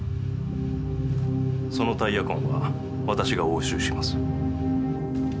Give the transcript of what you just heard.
そのタイヤ痕は私が押収します。